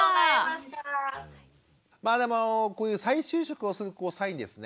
まあでもこういう再就職をする際にですね